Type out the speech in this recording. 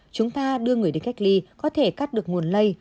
chúng ta đưa người đến cách ly có thể cắt được nguồn lây